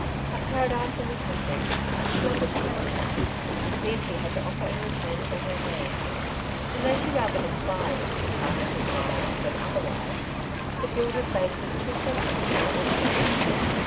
A paradise iu the country, a splendid town house — these he had to offer in return for her hand; and though she rather despised this ardent admirer than otherwise, the gilded bait was too tempting for resistance.